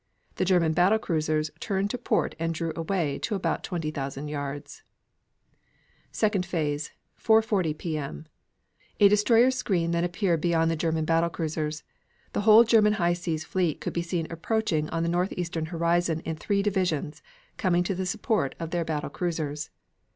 The German battle cruisers turned to port and drew away to about 20,000 yards. Second Phase, 4.40 P.M. A destroyer screen then appeared beyond the German battle cruisers. The whole German High Seas Fleet could be seen approaching on the northeastern horizon in three divisions, coming to the support of their battle cruisers.